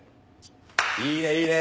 いいねいいね。